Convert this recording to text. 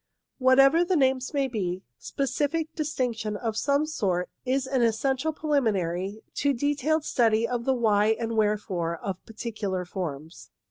Whatever the names may be, specific distinction of some sort is an essential preliminary to detailed study of the why and wherefore of the particular forms.